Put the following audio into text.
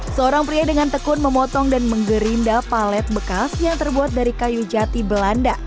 seorang pria dengan tekun memotong dan menggerinda palet bekas yang terbuat dari kayu jati belanda